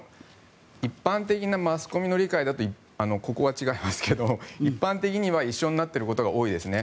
一般的なマスコミの理解だとここは違いますけども一般的には一緒になってることが多いですね。